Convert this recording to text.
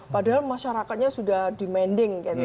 padahal masyarakatnya sudah demanding